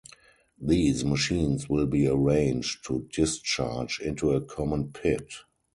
These machines will be arranged to discharge into a common pit.